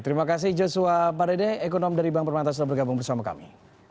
terima kasih joshua paredeh ekonom dari bank permata sudah bergabung bersama kami